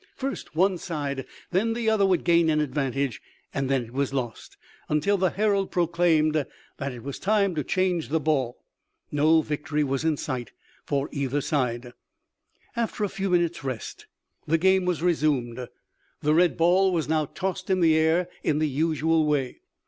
First one side, then the other would gain an advantage, and then it was lost, until the herald proclaimed that it was time to change the ball. No victory was in sight for either side. After a few minutes' rest, the game was resumed. The red ball was now tossed in the air in the usual way.